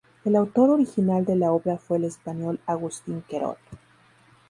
El autor original de la obra fue el español Agustín Querol.